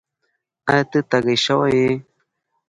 ایا؛ ته تږی شوی یې؟